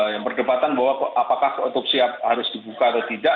yang perdebatan bahwa apakah otopsi harus dibuka atau tidak